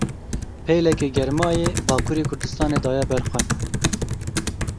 Pêleke germayê, Bakurê Kurdistanê daye berxwe.